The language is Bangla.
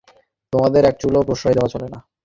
তোমাদের একচুলও প্রশ্রয় দেওয়া চলে না।